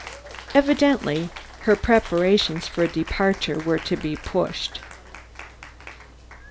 Evidently, her preparations for departure were to be pushed.